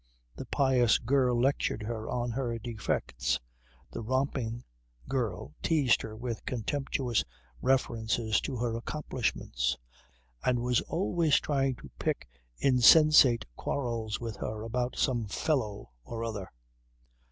The pious girl lectured her on her defects, the romping girl teased her with contemptuous references to her accomplishments, and was always trying to pick insensate quarrels with her about some "fellow" or other.